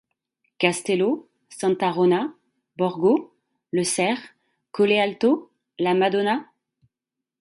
Castello, Santarona, Borgo, Le Serre, Colle Alto, la Madonna.